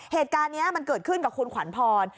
เหตุการณ์นี้มันเกิดขึ้นกับคุณขวัญพร